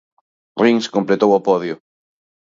Rins completou o podio.